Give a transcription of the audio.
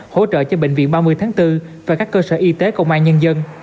hỗ trợ cho bệnh viện ba mươi tháng bốn và các cơ sở y tế công an nhân dân